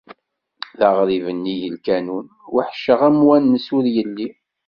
D aɣrib nnig lkanun, weḥceɣ amwanes ur yelli.